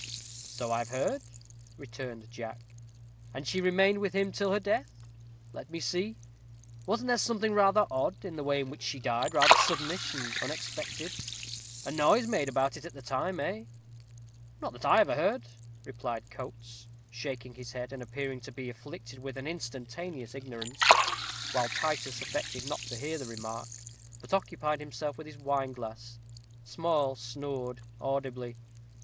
"So I've heard," returned Jack; "and she remained with him till her death. Let me see, wasn't there something rather odd in the way in which she died, rather suddenish and unexpected, a noise made about it at the time, eh?" "Not that I ever heard," replied Coates, shaking his head, and appearing to be afflicted with an instantaneous ignorance; while Titus affected not to hear the remark, but occupied himself with his wine glass. Small snored audibly.